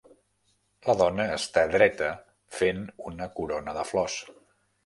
La dona està dreta fent una corona de flors.